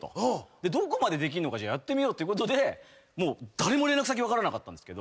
どこまでできるのかやってみようってことで誰も連絡先分からなかったんですけど。